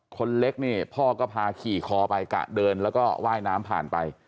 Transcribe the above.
คนเล็กนี่พ่อก็พาขี่คอไปกะเดินแล้วก็ว่ายน้ำผ่านไป